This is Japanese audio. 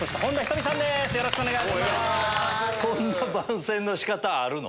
こんな番宣の仕方あるの？